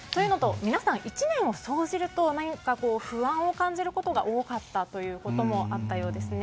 皆さん、１年を総じて何か不安を感じることが多かったこともあったようですね。